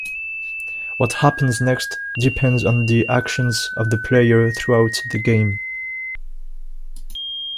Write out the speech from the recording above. What happens next depends on the actions of the player throughout the game.